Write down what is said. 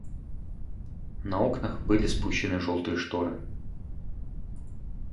На окнах были спущены жёлтые шторы.